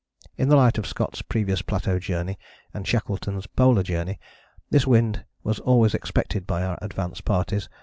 In the light of Scott's previous plateau journey and Shackleton's Polar Journey this wind was always expected by our advance parties.